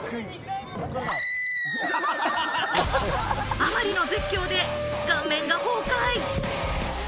あまりの絶叫で顔面が崩壊！